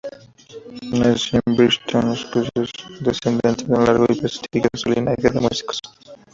Nació en Brighton, East Sussex, descendiente de un largo y prestigioso linaje de músicos.